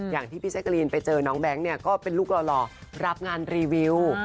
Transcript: อย่างที่พี่แจ๊กรีนไปเจอน้องแบงค์เนี่ยก็เป็นลูกหล่อรับงานรีวิว